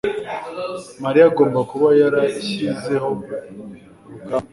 mariya agomba kuba yarashyizeho urugamba